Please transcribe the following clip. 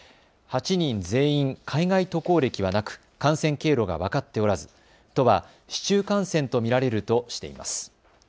８人全員海外渡航歴はなく感染経路が分かっておらず、都は市中感染と見られるとしています。